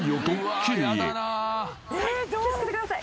気を付けてください。